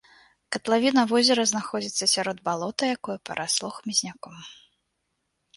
Катлавіна возера знаходзіцца сярод балота, якое парасло хмызняком.